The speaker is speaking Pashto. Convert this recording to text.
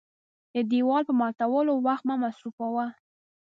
د دېوال په ماتولو وخت مه مصرفوه .